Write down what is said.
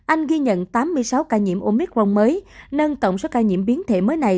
anh ghi nhận tám mươi sáu ca nhiễm omicron mới nâng tổng số ca nhiễm biến thể mới này